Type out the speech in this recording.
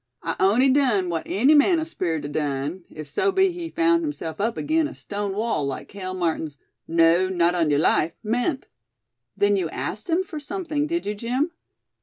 I on'y done what any man o' speerit'd adone, if so be he found himself up agin a stone wall like Cale Martin's 'no, not on yuh life!' meant." "Then you asked him for something, did you, Jim?"